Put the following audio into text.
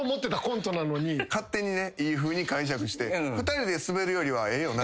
勝手にいいふうに解釈して。